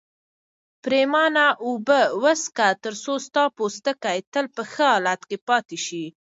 پرېمانه اوبه وڅښه ترڅو ستا پوستکی تل په ښه حالت کې پاتې شي.